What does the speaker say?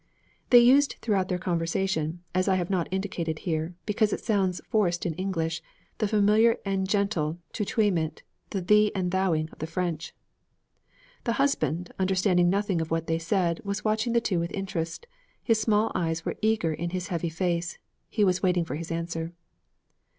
They used throughout their conversation, as I have not indicated here, because it sounds forced in English, the familiar and gentle tutoiement, the thee and thouing of the French. The husband, understanding nothing of what they said, was watching the two with interest; his small eyes were eager in his heavy face; he was waiting for his answer.